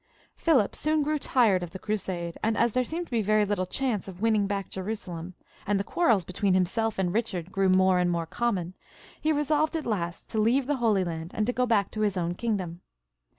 Philip soon grew tired of the Crusade, and as there seemed to be very little chance of winning back Jerusalem, and the quarrels between himself and Eichard grew more and more common, he resolved at last to leave the Holy Land and to go back to his own kingdom.